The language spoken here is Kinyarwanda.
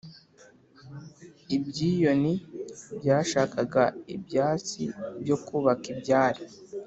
ibyiyoni byashakaga ibyatsi byokubaka ibyari